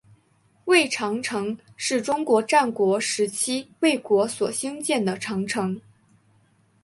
魏长城是中国战国时期魏国所兴建的长城。